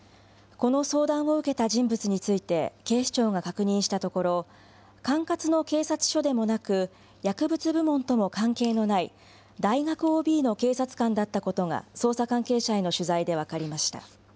この相談を受けた人物について、警視庁が確認したところ、管轄の警察署でもなく、薬物部門とも関係のない、大学ＯＢの警察官だったことが、捜査関係者への取材で分かりました。